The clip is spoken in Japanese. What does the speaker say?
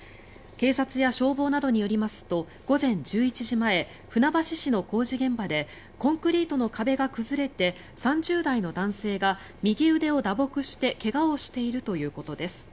警察や消防などによりますと午前１１時前船橋市の工事現場でコンクリートの壁が崩れて３０代の男性が右腕を打撲して怪我をしているということです。